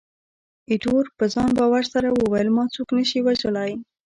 ایټور په ځان باور سره وویل، ما څوک نه شي وژلای.